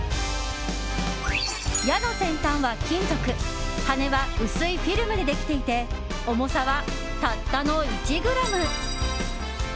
矢の先端は金属羽根は薄いフィルムでできていて重さは、たったの１ｇ。